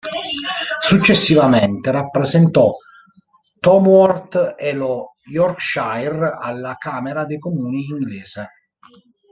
Successivamente rappresentò Tamworth e lo Yorkshire alla camera dei comuni inglese.